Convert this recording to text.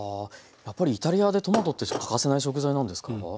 やっぱりイタリアでトマトって欠かせない食材なんですか？